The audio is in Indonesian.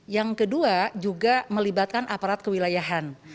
yang kedua juga melibatkan aparat kewilayahan